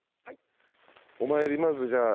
お参りまずじゃあ。